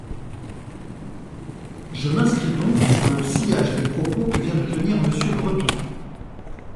Je m’inscris donc dans le sillage des propos que vient de tenir Monsieur Breton.